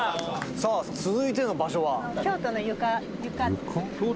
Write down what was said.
「さあ続いての場所は？」